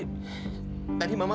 tadi mama udah berubah